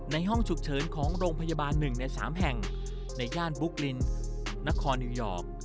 ห้องฉุกเฉินของโรงพยาบาล๑ใน๓แห่งในย่านบุ๊กลินนครนิวยอร์ก